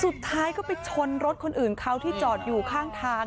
สุดท้ายก็ไปชนรถคนอื่นเขาที่จอดอยู่ข้างทาง